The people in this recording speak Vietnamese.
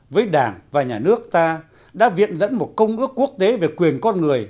với đảng và nhà nước ta đã viện dẫn một công ước quốc tế về quyền con người